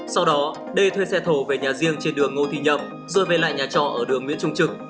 sau đó đê thuê xe thổ về nhà riêng trên đường ngô thị nhậm rồi về lại nhà trọ ở đường nguyễn trung trực